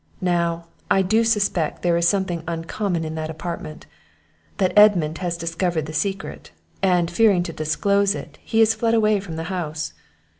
Now, I do suspect there is something uncommon in that apartment that Edmund has discovered the secret; and, fearing to disclose it, he is fled away from the house.